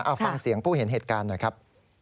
เอาฟังเสียงผู้เห็นเหตุการณ์หน่อยครับ